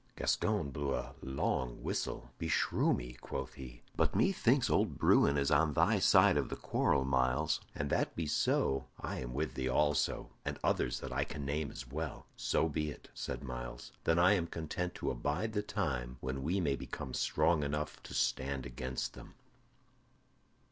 Gascoyne blew a long whistle. "Beshrew me!" quoth he, "but methinks old Bruin is on thy side of the quarrel, Myles. An that be so, I am with thee also, and others that I can name as well." "So be it," said Myles. "Then am I content to abide the time when we may become strong enough to stand against them."